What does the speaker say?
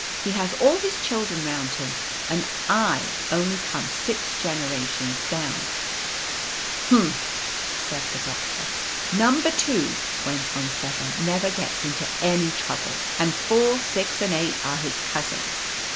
He has all his children round him, and I only come six generations down/ <ct Humph !' said the doctor. u ' Number 2/ went on 7, c never gets into any trouble, and 4, 6, and 8 are his cousins.